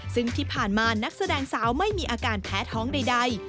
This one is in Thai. ซึ่งที่ผ่านมานักแสดงสาวไม่มีอาการแพ้ท้องใด